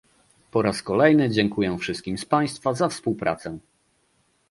Po raz kolejny dziękuję wszystkim z państwa za współpracę